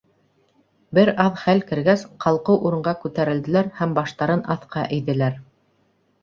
Бер аҙ хәл кергәс, ҡалҡыу урынға күтәрелделәр һәм баштарын аҫҡа эйҙеләр.